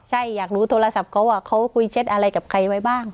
ใช่อยากรู้โทรศัพท์เขาว่าเขาคุยเช็ดอะไรกับใครไว้บ้าง